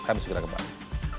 kami segera kembali